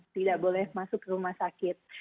tidak boleh masuk ke rumah sakit